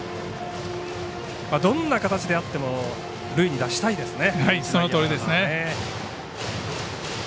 どんな形であっても塁に出したいですね。